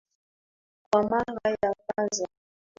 Kwa mara ya kwanza.